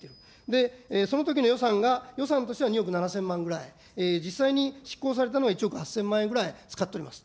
で、そのときの予算が、予算としては２億７０００万ぐらい、実際に執行されたのは１億８０００万円ぐらい使っております。